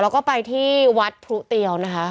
แล้วก็ไปที่วัดพรุเตียวนะคะ